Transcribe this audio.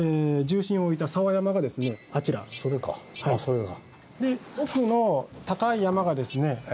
それかあそれが。